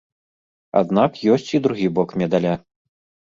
Аднак ёсць і другі бок медаля.